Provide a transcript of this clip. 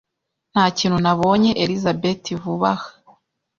Nta kintu nabonye Elizabeti vuba aha.